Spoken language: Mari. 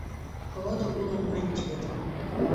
Родо улам маньыч вет.